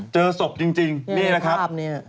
เจอศพจริงนี่นะครับ